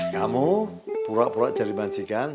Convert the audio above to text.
kamu pura pura jadi majikan